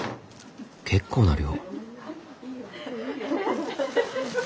結構な量。